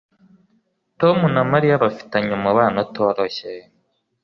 Tom na Mariya bafitanye umubano utoroshye.